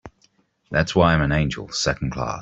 That's why I'm an angel Second Class.